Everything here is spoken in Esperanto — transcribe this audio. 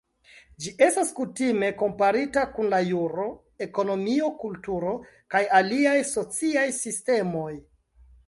Ĝi estas kutime komparita kun la juro, ekonomio, kulturo kaj aliaj sociaj sistemoj.